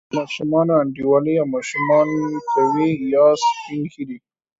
د ماشومانو انډیوالي یا ماشومان کوي، یا سپین ږیري.